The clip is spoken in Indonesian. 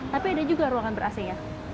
tapi ada juga ruangan ber ac ya